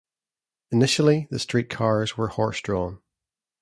Initially, the streetcars were horse-drawn.